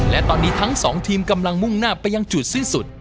และตอนนี้ทั้งสองทีมกำลังมุ่งหน้าไปยังจุดสิ้นสุด